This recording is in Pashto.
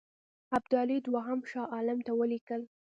ابدالي دوهم شاه عالم ته ولیکل.